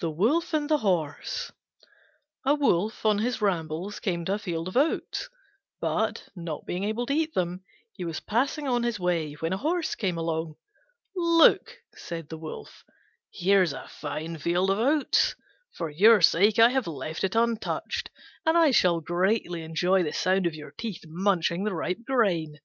THE WOLF AND THE HORSE A Wolf on his rambles came to a field of oats, but, not being able to eat them, he was passing on his way when a Horse came along. "Look," said the Wolf, "here's a fine field of oats. For your sake I have left it untouched, and I shall greatly enjoy the sound of your teeth munching the ripe grain."